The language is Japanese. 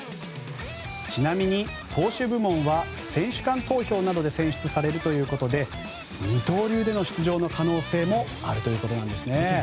ちなみに、投手部門は選手間投票などで選出されるということで二刀流での出場の可能性もあるということです。